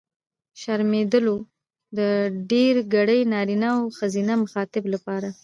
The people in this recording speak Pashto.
شرمېدلو! د ډېرګړي نرينه او ښځينه مخاطب لپاره.